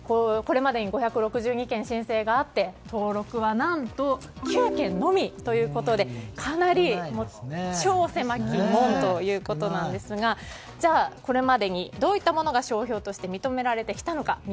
これまでに５６２件申請があって登録は何と９件のみということでかなり超狭き門ということですがじゃあ、これまでにどういったものが商標として認められてきたのか。